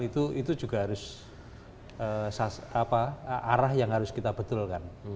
itu juga harus arah yang harus kita betulkan